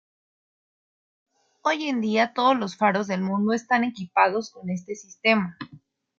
Hoy en día todos los faros del mundo están equipados con este sistema.